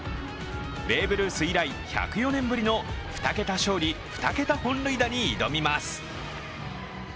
ベーブ・ルース以来１０４年ぶりの２桁勝利・２桁本塁打に挑みます。